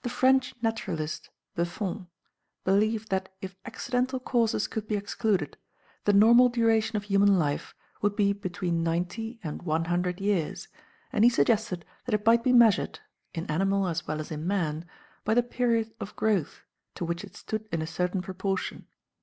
The French naturalist, Buffon, believed that if accidental causes could be excluded, the normal duration of human life would be between ninety and one hundred years, and he suggested that it might be measured (in animal as well as in man) by the period of growth, to which it stood in a certain proportion.